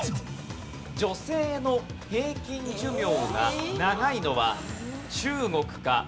女性の平均寿命が長いのは中国か？